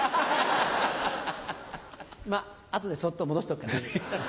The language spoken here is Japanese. まっ後でそっと戻しとくから。